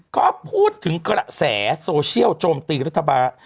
ก็พูดถึงกระแสโซเชียลโจมตีรัฐบาล